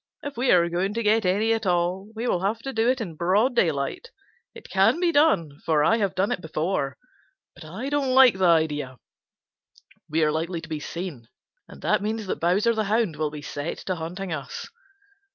If we are going to get any at all, we will have to do it in broad daylight. It can be done, for I have done it before, but I don't like the idea. We are likely to be seen, and that means that Bowser the Hound will be set to hunting us."